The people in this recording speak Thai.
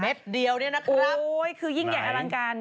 เดียวเนี่ยนะครับโอ้ยคือยิ่งใหญ่อลังการ